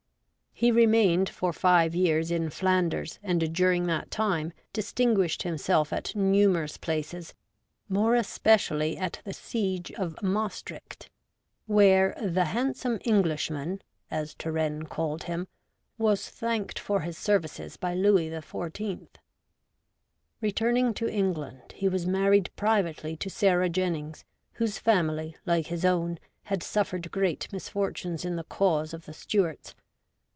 He remained for five years in Flanders, and during that time distinguished himself at numerous places, more especially at the siege of Maestricht, where ' the handsome Englishman,' as Turenne called him, was thanked for his services by Louis XIV. Returning to England, he was married privately to Sarah Jennings, whose family, like his own, had suffered great misfortunes in the cause of the Stuarts.